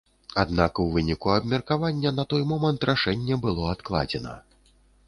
Аднак у выніку абмеркавання на той момант рашэнне было адкладзена.